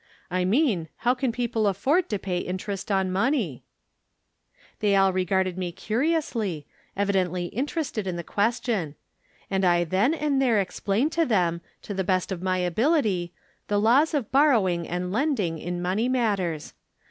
" I mean, how can people afford to pay interest on money ?" They all regarded me curiously, evidently in terested in the question. And I then and there explained to them, to the best of my ability, the laws of borrowing and lending in money matters.